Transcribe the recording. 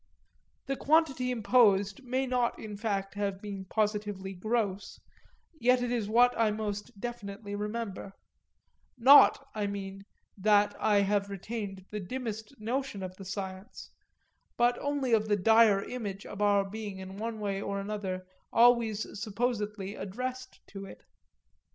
The quantity imposed may not in fact have been positively gross, yet it is what I most definitely remember not, I mean, that I have retained the dimmest notion of the science, but only of the dire image of our being in one way or another always supposedly addressed to it.